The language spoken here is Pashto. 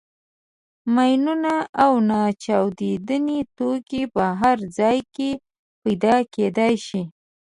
ماینونه او ناچاودي توکي په هر ځای کې پیدا کېدای شي.